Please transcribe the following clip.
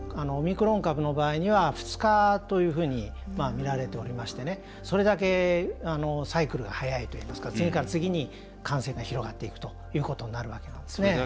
オミクロン株の場合には２日というふうにみられておりまして、それだけサイクルが早いといいますか次から次に感染が広がっていくということになるわけなんですね。